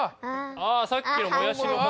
ああさっきのもやしの方？